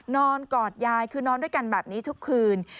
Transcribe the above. กอดยายคือนอนด้วยกันแบบนี้ทุกคืน